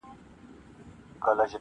• کله کله پر خپل ځای باندي درېږي -